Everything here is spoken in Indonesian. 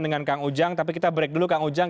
dengan kang ujang tapi kita break dulu kang ujang